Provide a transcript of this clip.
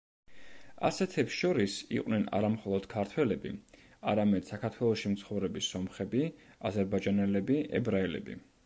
ასეთებს შორის იყვნენ არა მხოლოდ ქართველები, არამედ საქართველოში მცხოვრები სომხები, აზერბაიჯანელები, ებრაელები.